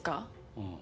うん。